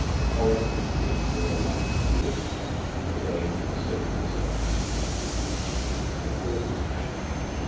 Horror and pity were alike weary; the brain asserted itself. The court was packed.